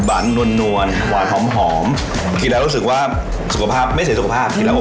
อ้าวทุกมือก็พร้อมแล้วอุปกรณ์ในมือก็พร้อมแล้ว